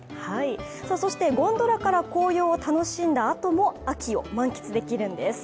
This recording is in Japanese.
ゴンドラから紅葉を楽しんだあとも秋を満喫できるんです。